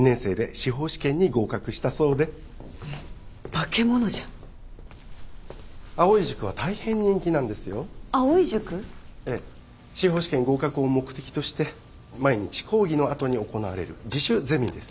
司法試験合格を目的として毎日講義の後に行われる自主ゼミです。